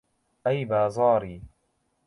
ئەی بازاڕی